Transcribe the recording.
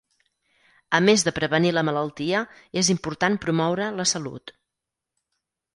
A més de prevenir la malaltia, és important promoure la salut.